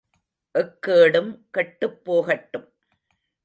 எக்கேடும் கெட்டுப் போகட்டும்.